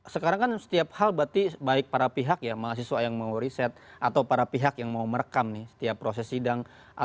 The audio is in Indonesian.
sekarang kan setiap hal berarti baik para pihak ya mahasiswa yang mau riset atau para pihak yang mau merekam nih setiap proses sidang